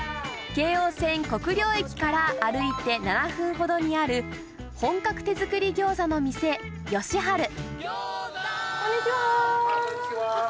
京王線国領駅から歩いて７分ほどにある本格手作り餃子の店吉春。